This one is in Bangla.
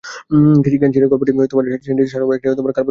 কেনশিনের গল্পটি মেইজি শাসনামলের একটি কাল্পনিক সংস্করণ।